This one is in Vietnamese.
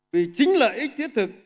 vì chính lợi ích thiết thực